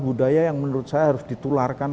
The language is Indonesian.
budaya yang menurut saya harus ditularkan